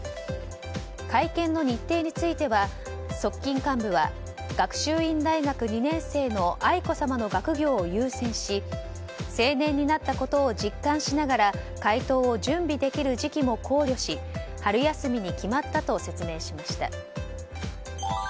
会見の日程については側近幹部は学習院大学２年生の愛子さまの学業を優先し成年になったことを実感しながら回答を準備できる時期も考慮し春休みに決まったと説明しました。